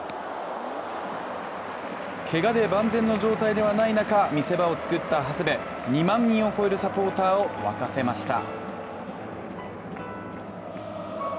けがで万全の状態ではない中、見せ場を作った長谷部、２万人を超えるサポーターをわかせました。